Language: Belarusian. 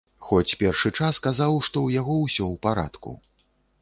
Хоць першы час казаў, што ў яго ўсё ў парадку.